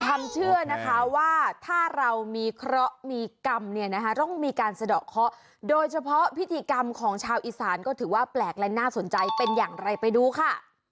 ความเชื่อนะคะว่าถ้าเรามีเคราะห์มีกรรมเนี่ยนะคะต้องมีการสะดอกเคราะห์โดยเฉพาะพิธีกรรมของชาวอีสานก็ถือว่าแปลกและน่าสนใจเป็นอย่างไรไปดูค่ะ